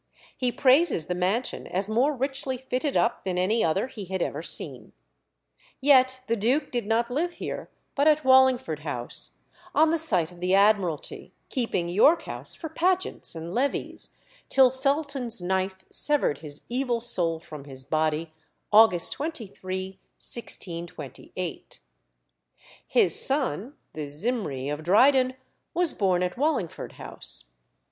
He praises the mansion as more richly fitted up than any other he had ever seen. Yet the duke did not live here, but at Wallingford House, on the site of the Admiralty, keeping York House for pageants and levees, till Felton's knife severed his evil soul from his body, August 23, 1628. His son, the Zimri of Dryden, was born at Wallingford House.